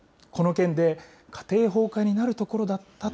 この件で家庭崩壊になるところだ